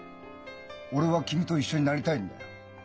俺は君と一緒になりたいんだよ。